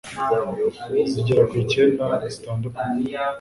zigera ku icyenda zitandukanye